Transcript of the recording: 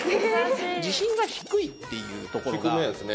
自信が低いっていうところが低めですね